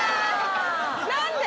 何で？